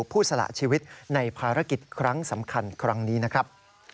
สละชีวิตในภารกิจครั้งสำคัญครั้งนี้นะครับ